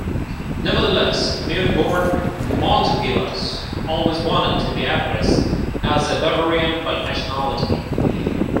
Nevertheless, the Munich-born Montgelas always wanted to be addressed as a Bavarian by nationality.